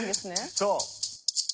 そう。